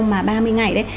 mà ba mươi ngày đấy